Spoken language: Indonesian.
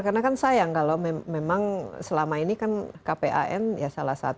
karena kan sayang kalau memang selama ini kan kpan ya salah satu sumber duit